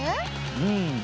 うん。